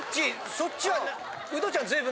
そっちは。